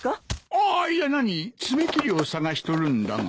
ああいや何爪切りを探しとるんだが。